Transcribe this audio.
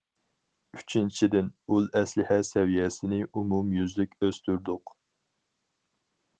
ئۈچىنچىدىن، ئۇل ئەسلىھە سەۋىيەسىنى ئومۇميۈزلۈك ئۆستۈردۇق.